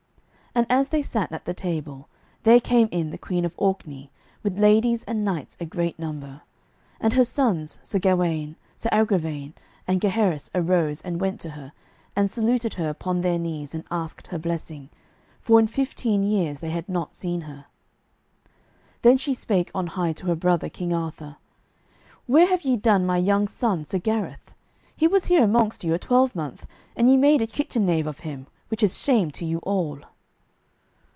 And as they sat at the table, there came in the Queen of Orkney, with ladies and knights a great number. And her sons, Sir Gawaine, Sir Agravaine, and Gaheris arose and went to her, and saluted her upon their knees and asked her blessing, for in fifteen years they had not seen her. Then she spake on high to her brother, King Arthur, "Where have ye done my young son, Sir Gareth? He was here amongst you a twelvemonth, and ye made a kitchen knave of him, which is shame to you all."